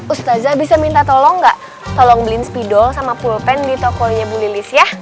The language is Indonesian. ustazah bisa minta tolong gak tolong beliin spidol sama pulpen di tokonya bu lilis ya